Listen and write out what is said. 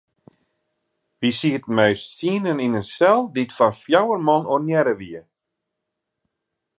Wy sieten mei ús tsienen yn in sel dy't foar fjouwer man ornearre wie.